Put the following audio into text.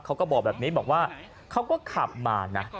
เขาก็บอกแบบนี้บอกว่าเขาก็ขับมานะ